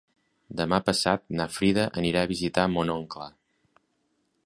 Demà passat na Frida anirà a visitar mon oncle.